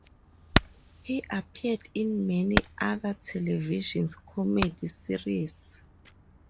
He appeared in many other television comedy series.